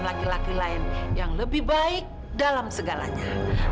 dan dapatkan laki laki lain yang lebih baik dalam segalanya